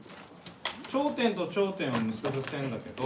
頂点と頂点を結ぶ線だけど。